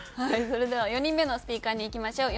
それでは４人目のスピーカーにいきましょう。